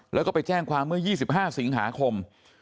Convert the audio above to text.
แล้วก็ไปแจ้งความเมื่อ๒๕สิงหาคม